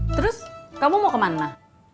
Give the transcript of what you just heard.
terus kamu mau kemana